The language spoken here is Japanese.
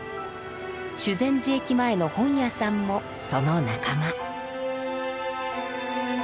修善寺駅前の本屋さんもその仲間。